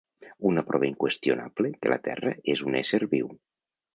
Una prova inqüestionable que la Terra és un ésser viu.